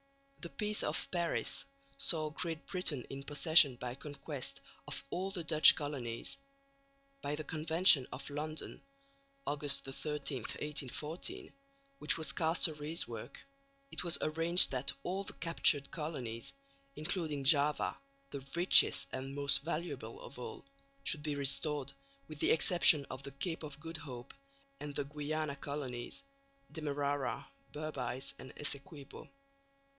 The Peace of Paris saw Great Britain in possession by conquest of all the Dutch colonies. By the Convention of London (August 13, 1814), which was Castlereagh's work, it was arranged that all the captured colonies, including Java, the richest and most valuable of all, should be restored, with the exception of the Cape of Good Hope and the Guiana colonies Demerara, Berbice and Essequibo.